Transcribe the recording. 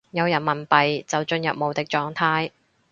有人民幣就進入無敵狀態